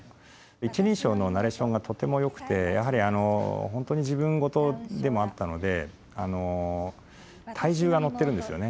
一人称のナレーションがとてもよくてやはり本当に自分事でもあったので体重が乗ってるんですよね。